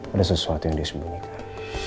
ada sesuatu yang dia sembunyikan